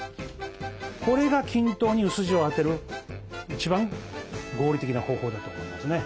これが均等に薄塩を当てる一番合理的な方法だと思いますね。